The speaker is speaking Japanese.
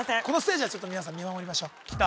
このステージはちょっと皆さん見守りましょう